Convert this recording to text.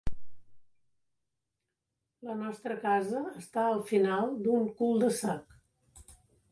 La nostre casa està al final d'un cul de sac.